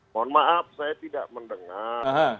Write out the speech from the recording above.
mohon maaf saya tidak mendengar